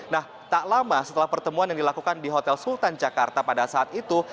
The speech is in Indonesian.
nah tak lama setelah pertemuan yang dilakukan di hotel sultan jakarta pada saat itu